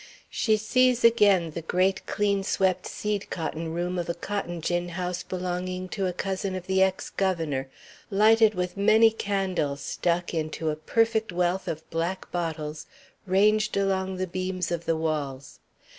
She sees again the great clean swept seed cotton room of a cotton gin house belonging to a cousin of the ex governor, lighted with many candles stuck into a perfect wealth of black bottles ranged along the beams of the walls.